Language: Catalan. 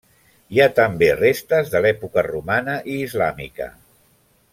Hi ha també restes de l'època romana i islàmica.